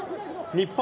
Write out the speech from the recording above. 日本！